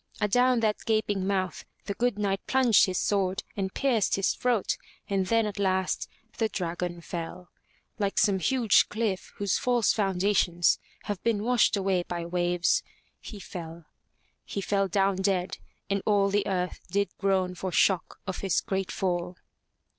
Adown that gaping mouth the good Knight plunged his sword and pierced his throat, and then at last, the dragon fell. Like some huge cliff whose false founda tions have been washed away by waves, he fell. He fell down dead and all the earth did groan for shock of his great fall.